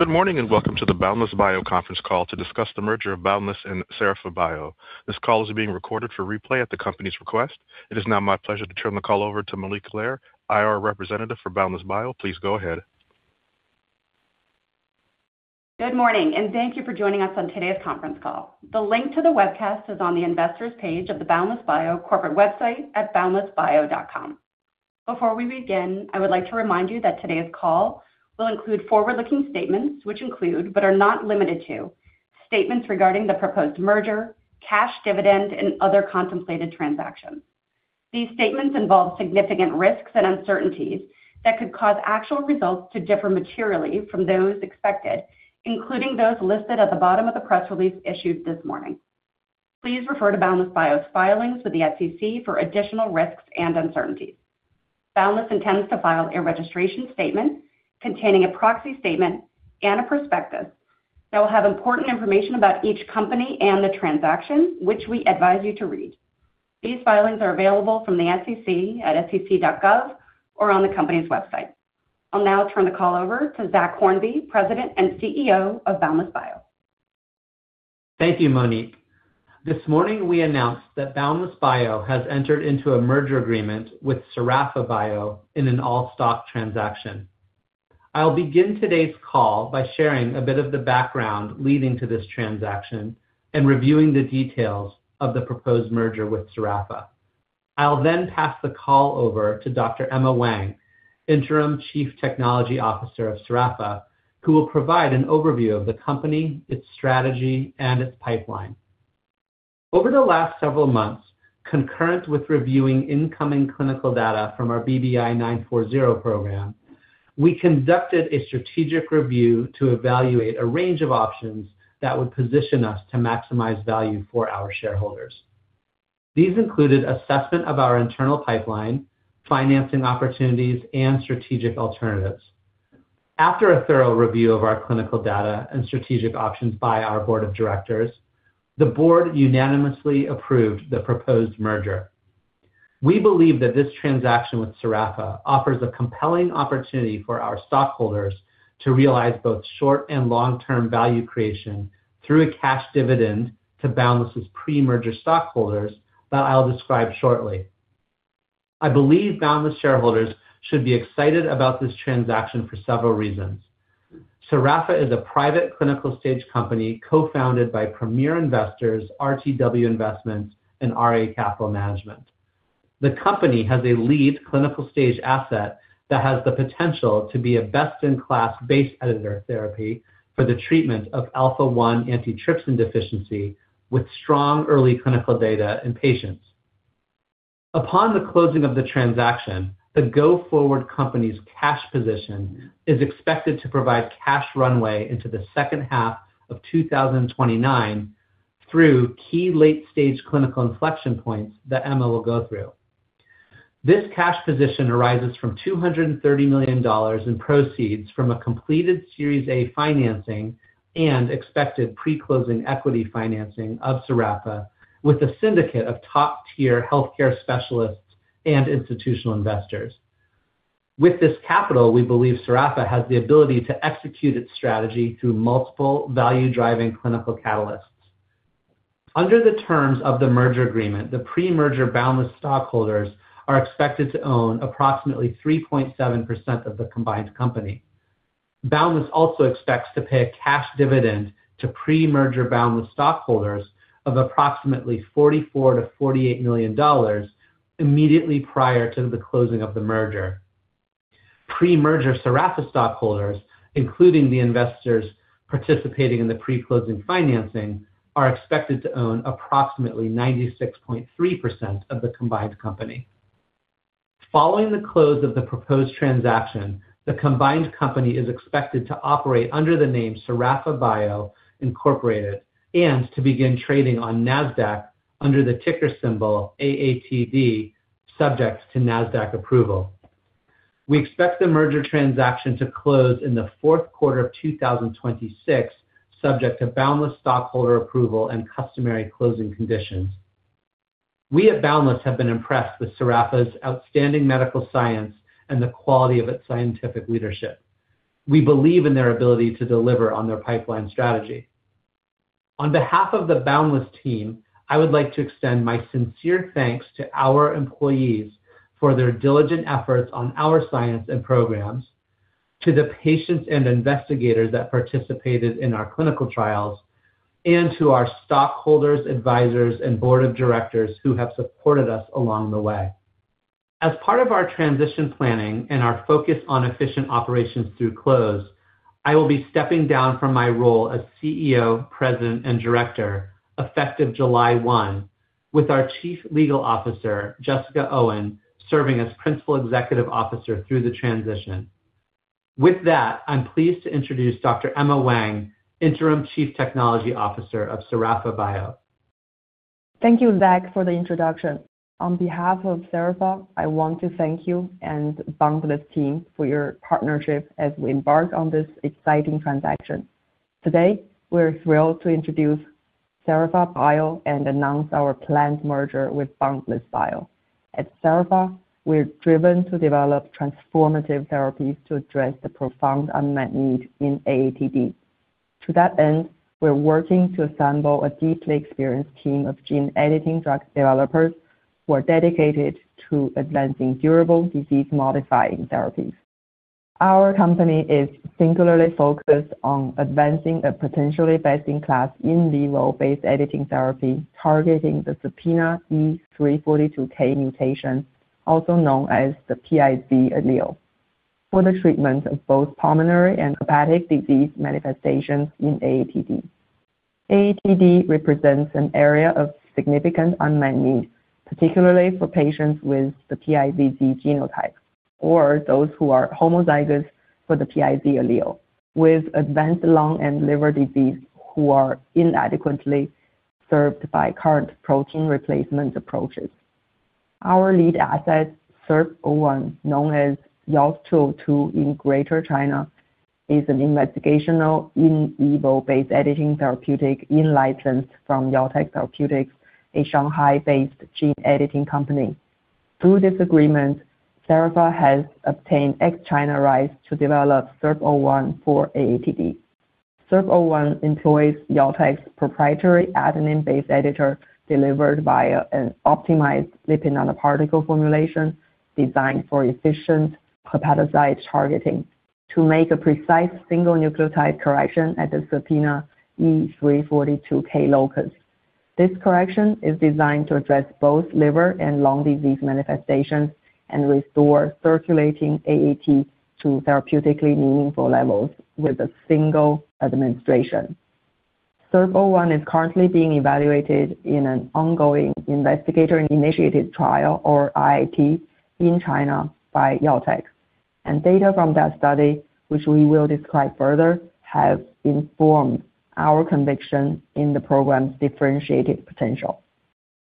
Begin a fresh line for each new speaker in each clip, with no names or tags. Good morning, and welcome to the Boundless Bio conference call to discuss the merger of Boundless and Serapha Bio. This call is being recorded for replay at the company's request. It is now my pleasure to turn the call over to Monique Claiborne, IR representative for Boundless Bio. Please go ahead.
Good morning, and thank you for joining us on today's conference call. The link to the webcast is on the investors page of the Boundless Bio corporate website at boundlessbio.com. Before we begin, I would like to remind you that today's call will include forward-looking statements, which include, but are not limited to, statements regarding the proposed merger, cash dividend, and other contemplated transactions. These statements involve significant risks and uncertainties that could cause actual results to differ materially from those expected, including those listed at the bottom of the press release issued this morning. Please refer to Boundless Bio's filings with the SEC for additional risks and uncertainties. Boundless intends to file a registration statement containing a proxy statement and a prospectus that will have important information about each company and the transaction, which we advise you to read. These filings are available from the SEC at sec.gov or on the company's website. I'll now turn the call over to Zach Hornby, President and CEO of Boundless Bio.
Thank you, Monique. This morning, we announced that Boundless Bio has entered into a merger agreement with Serapha Bio in an all-stock transaction. I'll begin today's call by sharing a bit of the background leading to this transaction and reviewing the details of the proposed merger with Serapha. I'll pass the call over to Dr. Emma Wang, Interim Chief Technology Officer of Serapha, who will provide an overview of the company, its strategy, and its pipeline. Over the last several months, concurrent with reviewing incoming clinical data from our BBI-940 program, we conducted a strategic review to evaluate a range of options that would position us to maximize value for our shareholders. These included assessment of our internal pipeline, financing opportunities, and strategic alternatives. After a thorough review of our clinical data and strategic options by our board of directors, the board unanimously approved the proposed merger. We believe that this transaction with Serapha offers a compelling opportunity for our stockholders to realize both short and long-term value creation through a cash dividend to Boundless's pre-merger stockholders that I'll describe shortly. I believe Boundless shareholders should be excited about this transaction for several reasons. Serapha is a private clinical stage company co-founded by premier investors RTW Investments and RA Capital Management. The company has a lead clinical stage asset that has the potential to be a best-in-class base editor therapy for the treatment of Alpha-1 antitrypsin deficiency with strong early clinical data in patients. Upon the closing of the transaction, the go-forward company's cash position is expected to provide cash runway into the second half of 2029 through key late-stage clinical inflection points that Emma will go through. This cash position arises from $230 million in proceeds from a completed Series A financing and expected pre-closing equity financing of Serapha with a syndicate of top-tier healthcare specialists and institutional investors. With this capital, we believe Serapha has the ability to execute its strategy through multiple value-driving clinical catalysts. Under the terms of the merger agreement, the pre-merger Boundless stockholders are expected to own approximately 3.7% of the combined company. Boundless also expects to pay a cash dividend to pre-merger Boundless stockholders of approximately $44 million-$48 million immediately prior to the closing of the merger. Pre-merger Serapha stockholders, including the investors participating in the pre-closing financing, are expected to own approximately 96.3% of the combined company. Following the close of the proposed transaction, the combined company is expected to operate under the name Serapha Bio, Inc., and to begin trading on Nasdaq under the ticker symbol AATD, subject to Nasdaq approval. We expect the merger transaction to close in the fourth quarter of 2026, subject to Boundless stockholder approval and customary closing conditions. We at Boundless have been impressed with Serapha's outstanding medical science and the quality of its scientific leadership. We believe in their ability to deliver on their pipeline strategy. On behalf of the Boundless team, I would like to extend my sincere thanks to our employees for their diligent efforts on our science and programs, to the patients and investigators that participated in our clinical trials, and to our stockholders, advisors, and Board of Directors who have supported us along the way. As part of our transition planning and our focus on efficient operations through close, I will be stepping down from my role as CEO, President, and Director effective July 1, with our Chief Legal Officer, Jessica Oien, serving as Principal Executive Officer through the transition. With that, I'm pleased to introduce Dr. Emma Wang, Interim Chief Technology Officer of Serapha Bio.
Thank you, Zach, for the introduction. On behalf of Serapha, I want to thank you and Boundless team for your partnership as we embark on this exciting transaction. Today, we're thrilled to introduce Serapha Bio and announce our planned merger with Boundless Bio. At Serapha, we're driven to develop transformative therapies to address the profound unmet need in AATD. To that end, we're working to assemble a deeply experienced team of gene editing drug developers who are dedicated to advancing durable disease-modifying therapies. Our company is singularly focused on advancing a potentially best-in-class in vivo base editing therapy targeting the SERPINA1 E342K mutation, also known as the PiZ allele, for the treatment of both pulmonary and hepatic disease manifestations in AATD. AATD represents an area of significant unmet need, particularly for patients with the PiZZ genotype or those who are homozygous for the PiZ allele with advanced lung and liver disease who are inadequately served by current protein replacement approaches. Our lead asset, SERP-01, known as YOLT-202 in Greater China, is an investigational in vivo base editing therapeutic in-licensed from YolTech Therapeutics, a Shanghai-based gene editing company. Through this agreement, Serapha has obtained ex China rights to develop SERP-01 for AATD. SERP-01 employs YolTech's proprietary adenine base editor delivered via an optimized lipid nanoparticle formulation designed for efficient hepatocyte targeting to make a precise single nucleotide correction at the SERPINA1 E342K locus. This correction is designed to address both liver and lung disease manifestations and restore circulating AAT to therapeutically meaningful levels with a single administration. SERP-01 is currently being evaluated in an ongoing investigator initiated trial, or IIT, in China by YolTech. Data from that study, which we will describe further, have informed our conviction in the program's differentiated potential.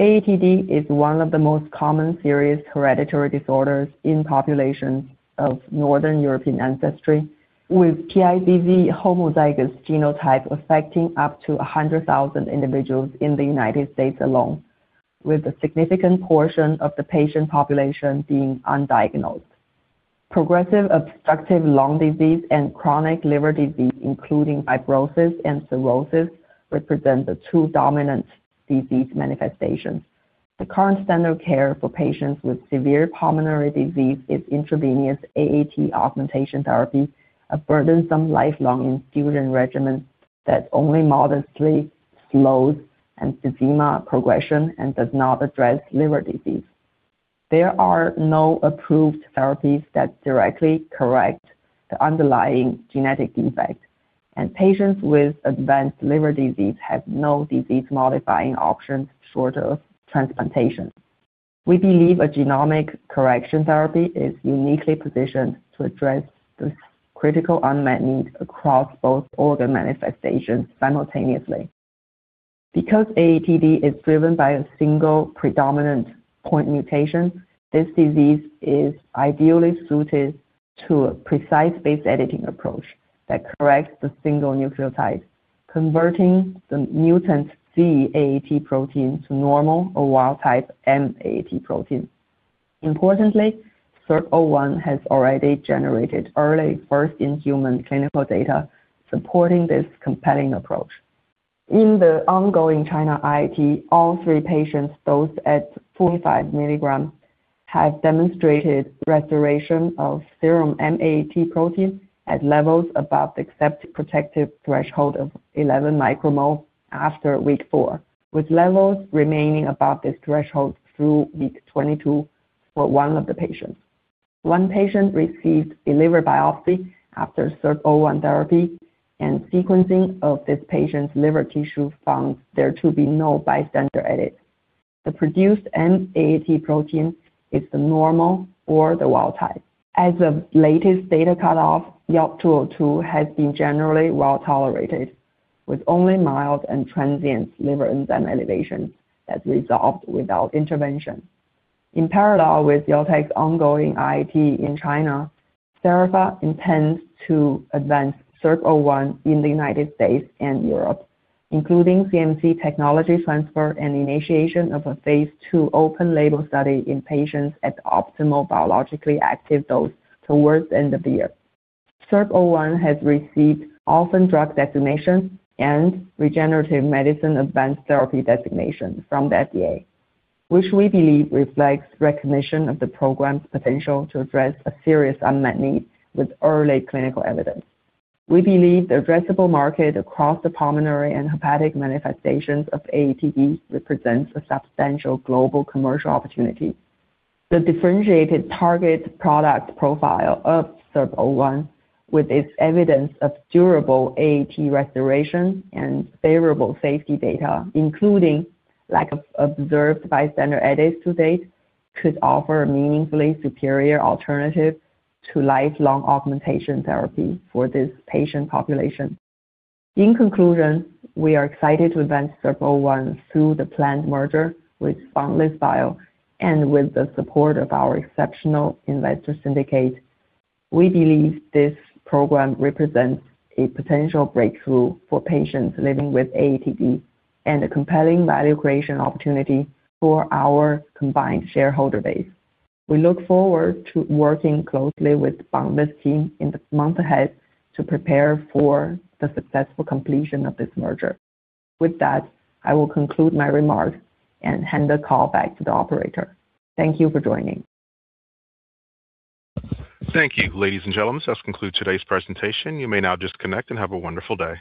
AATD is one of the most common serious hereditary disorders in populations of Northern European ancestry, with PiZZ homozygous genotype affecting up to 100,000 individuals in the U.S. alone, with a significant portion of the patient population being undiagnosed. Progressive obstructive lung disease and chronic liver disease, including fibrosis and cirrhosis, represent the two dominant disease manifestations. The current standard care for patients with severe pulmonary disease is intravenous AAT augmentation therapy, a burdensome lifelong infusion regimen that only modestly slows emphysema progression and does not address liver disease. There are no approved therapies that directly correct the underlying genetic defect. Patients with advanced liver disease have no disease-modifying options short of transplantation. We believe a genomic correction therapy is uniquely positioned to address this critical unmet need across both organ manifestations simultaneously. Because AATD is driven by a single predominant point mutation, this disease is ideally suited to a precise base editing approach that corrects the single nucleotide, converting the mutant Z-AAT protein to normal or wild type M-AAT protein. Importantly, SERP-01 has already generated early first-in-human clinical data supporting this compelling approach. In the ongoing China IIT, all three patients, dosed at 45 mg, have demonstrated restoration of serum M-AAT protein at levels above the accepted protective threshold of 11 micromole after week four, with levels remaining above this threshold through week 22 for one of the patients. One patient received a liver biopsy after SERP-01 therapy. Sequencing of this patient's liver tissue found there to be no bystander edits. The produced M-AAT protein is the normal or the wild type. As of latest data cutoff, YOLT-202 has been generally well-tolerated, with only mild and transient liver enzyme elevation that resolved without intervention. In parallel with YolTech's ongoing IIT in China, Serapha intends to advance SERP-01 in the U.S. and Europe, including CMC technology transfer and initiation of a phase II open label study in patients at optimal biologically active dose towards the end of the year. SERP-01 has received Orphan Drug Designation and Regenerative Medicine Advanced Therapy Designation from the FDA, which we believe reflects recognition of the program's potential to address a serious unmet need with early clinical evidence. We believe the addressable market across the pulmonary and hepatic manifestations of AATD represents a substantial global commercial opportunity. The differentiated target product profile of SERP-01 with its evidence of durable AAT restoration and favorable safety data, including lack of observed bystander edits to date, could offer a meaningfully superior alternative to lifelong augmentation therapy for this patient population. In conclusion, we are excited to advance SERP-01 through the planned merger with Boundless Bio and with the support of our exceptional investor syndicate. We believe this program represents a potential breakthrough for patients living with AATD and a compelling value creation opportunity for our combined shareholder base. We look forward to working closely with Boundless team in the months ahead to prepare for the successful completion of this merger. I will conclude my remarks and hand the call back to the operator. Thank you for joining.
Thank you. Ladies and gentlemen, this concludes today's presentation. You may now disconnect and have a wonderful day.